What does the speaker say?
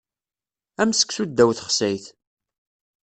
Am seksu ddaw texsayt.